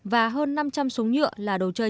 và hơn năm trăm linh súng nhựa là đồ chơi